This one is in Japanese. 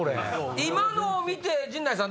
今の見て陣内さん